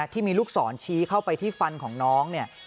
ที่มีลูกศรชี้เข้าไปที่ฟันของน้องเนี่ย